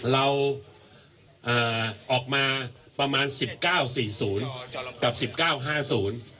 เอ่อออกมาประมาณสิบเก้าสี่ศูนย์กับสิบเก้าห้าศูนย์